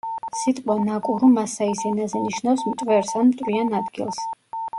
სიტყვა „ნაკურუ“ მასაის ენაზე ნიშნავს „მტვერს“ ან „მტვრიან ადგილს“.